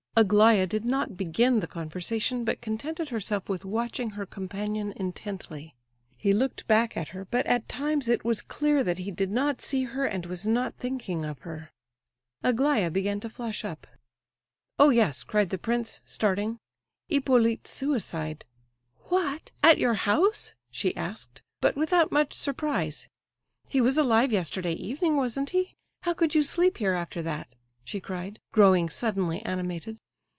Aglaya did not begin the conversation, but contented herself with watching her companion intently. He looked back at her, but at times it was clear that he did not see her and was not thinking of her. Aglaya began to flush up. "Oh yes!" cried the prince, starting. "Hippolyte's suicide—" "What? At your house?" she asked, but without much surprise. "He was alive yesterday evening, wasn't he? How could you sleep here after that?" she cried, growing suddenly animated.